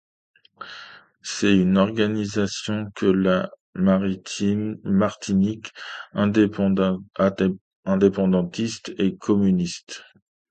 C'est une organisation de la Martinique, indépendantiste et communiste.